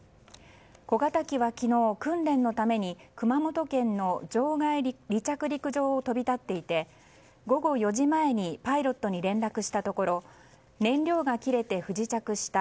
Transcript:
小型機は昨日、訓練のために熊本県の場外離着陸場を飛び立っていて午後４時前にパイロットに連絡したところ燃料が切れて不時着した。